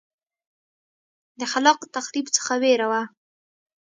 د خلاق تخریب څخه وېره وه.